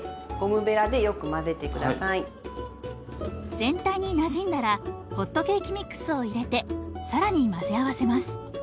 全体になじんだらホットケーキミックスを入れて更に混ぜ合わせます。